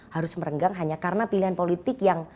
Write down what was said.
harus merenggang hanya karena pilihan politik yang